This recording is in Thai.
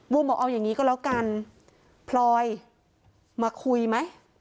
บอกเอาอย่างนี้ก็แล้วกันพลอยมาคุยไหม